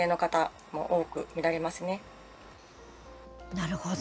なるほど。